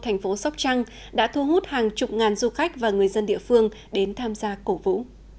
thành phố sóc trăng đã thu hút hàng chục ngàn du khách và người dân địa phương đến tham gia cổ vũ